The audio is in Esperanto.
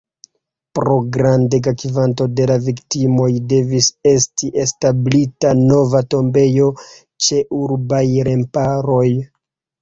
Pro grandega kvanto de la viktimoj devis esti establita nova tombejo ĉe urbaj remparoj.